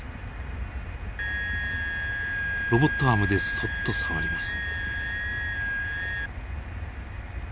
ロボットアームでそっと触ります。